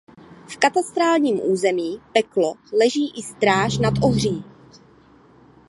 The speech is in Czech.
V katastrálním území Peklo leží i Stráž nad Ohří.